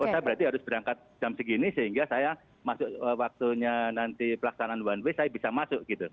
oh saya berarti harus berangkat jam segini sehingga saya masuk waktunya nanti pelaksanaan one way saya bisa masuk gitu